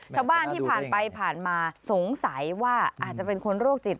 ชาวบ้านที่ผ่านไปผ่านมาสงสัยว่าอาจจะเป็นคนโรคจิต